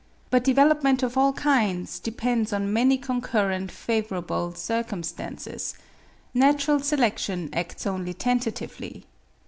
But development of all kinds depends on many concurrent favourable circumstances. Natural selection acts only tentatively.